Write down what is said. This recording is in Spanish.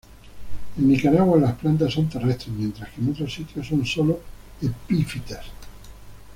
En Nicaragua las plantas son terrestres mientras que en otros sitios son sólo epífitas.